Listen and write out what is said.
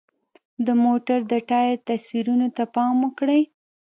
د موټر د ټایر تصویرو ته پام وکړئ.